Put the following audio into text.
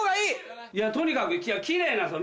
とにかくキレイなんですよ